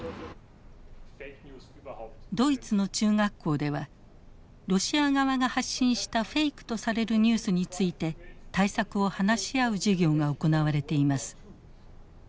ドイツの中学校ではロシア側が発信したフェイクとされるニュースについて対策を話し合う授業が行われています。